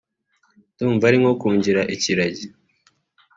ndumva ari nko kungira ikiragi